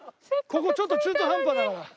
ここちょっと中途半端だから。